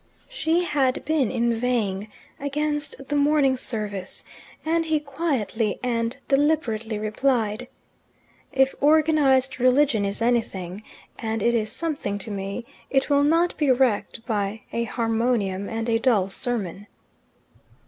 She had been inveighing against the morning service, and he quietly and deliberately replied, "If organized religion is anything and it is something to me it will not be wrecked by a harmonium and a dull sermon."